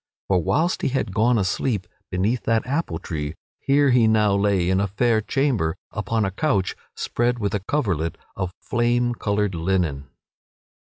For whilst he had gone asleep beneath that apple tree, here he now lay in a fair chamber upon a couch spread with a coverlet of flame colored linen.